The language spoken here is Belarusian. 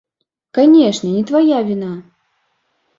Канешне, не твая віна.